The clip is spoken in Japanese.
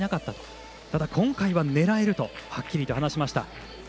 ただ、今回は狙えるとはっきりと話しました。